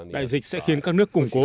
đại dịch sẽ khiến các nước củng cố hơn